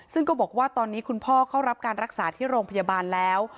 ซึ่งก็บอกว่าตอนนี้คุณพ่อเข้ารับการรักษาที่โรงพยาบาลแล้ว